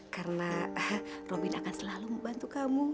karena robin akan selalu membantu kamu